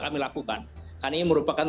kami lakukan karena ini merupakan